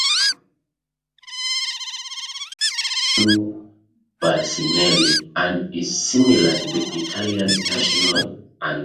Muccioli and U. Balsimelli, and is similar to the Italian national anthem.